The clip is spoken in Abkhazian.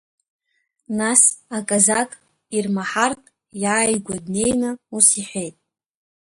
Нас, аказак ирмаҳартә, иааигәа днеины ус иҳәеит…